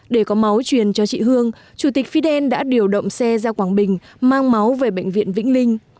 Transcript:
để có máu truyền cho chị hương chủ tịch fidel đã điều động xe ra quảng bình mang máu về bệnh viện vĩnh linh